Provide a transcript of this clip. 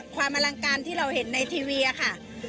ความอลังการที่เราเห็นในทีวีค่ะ